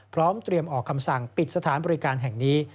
พร้อมเตรียมออกคำสั่งปิดสถานบริการแห่งนี้